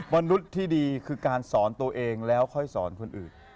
มนุษย์ที่ดีคือการสอนตัวเองแล้วค่อยสอนคนอื่น